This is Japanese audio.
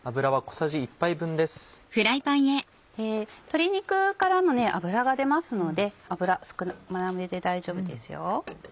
鶏肉からも油が出ますので油少なめで大丈夫ですよ。